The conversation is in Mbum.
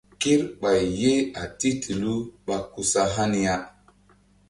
Kerɓay ye a titilu ɓa ku sa ni ya.